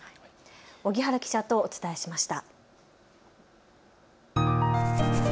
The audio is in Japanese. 荻原記者とお伝えしました。